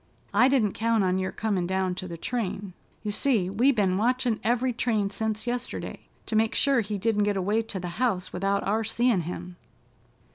I didn't count on your comin' down to the train. You see, we ben watchin' every train sence yesterday, to make sure he didn't get away to the house without our seein' him.